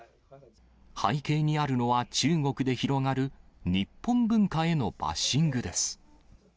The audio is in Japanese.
背景にあるのは、中国で広がる日本文化へのバッシングです。